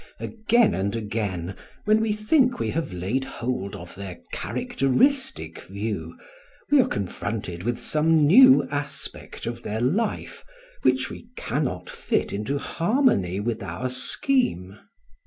Again and again when we think we have laid hold of their characteristic view we are confronted with some new aspect of their life which we cannot fit into harmony with our scheme.